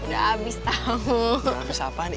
udah abis apaan